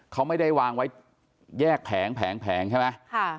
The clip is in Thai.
เขาไม่ได้วางไว้แยกแผงใช่ไหม